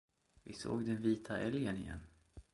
Vi såg den vita älgen igen!